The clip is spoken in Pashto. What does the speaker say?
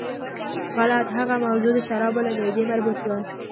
غلط، هغه موضوع د شرابو او معدې مربوط وه.